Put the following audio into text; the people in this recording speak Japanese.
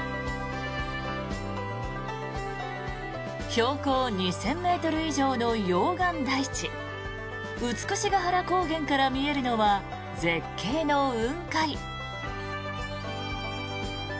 標高２０００ｍ以上の溶岩台地美ヶ原高原から見えるのは絶景の雲海。